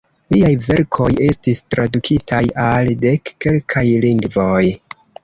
Liaj verkoj estis tradukitaj al dek kelkaj lingvoj.